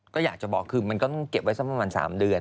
ก็อยากจะบอกคือมันก็เก็บไว้ซัก๓เดือน